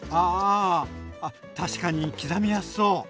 あ確かに刻みやすそう！